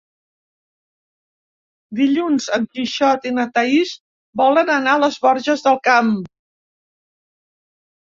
Dilluns en Quixot i na Thaís volen anar a les Borges del Camp.